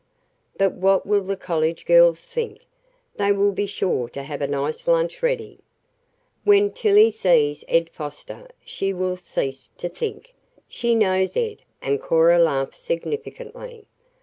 "But what will the college girls think? They will be sure to have a nice lunch ready." "When Tillie sees Ed Foster she will cease to think. She knows Ed," and Cora laughed significantly.